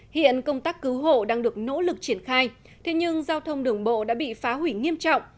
hiện công tác cứu hộ đang được nỗ lực triển khai thế nhưng giao thông đường bộ đã bị phá hủy nghiêm trọng